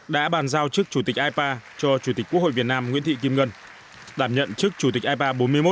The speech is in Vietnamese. đã bàn giao trước chủ tịch ipa cho chủ tịch quốc hội việt nam nguyễn thị kim ngân đảm nhận chức chủ tịch ipa bốn mươi một